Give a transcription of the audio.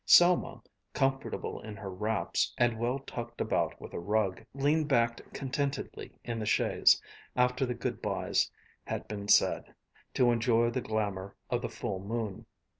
Selma, comfortable in her wraps and well tucked about with a rug, leaned back contentedly in the chaise, after the goodbyes had been said, to enjoy the glamour of the full moon.